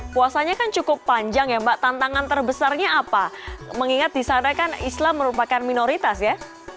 puasanya kan cukup panjang ya mbak tantangan terbesarnya apa mengingat di sana kan islam merupakan minoritas ya